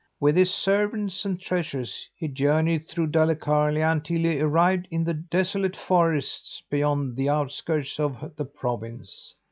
With his servants and treasures, he journeyed through Dalecarlia until he arrived in the desolate forests beyond the outskirts of the province.